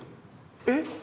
「えっ？」。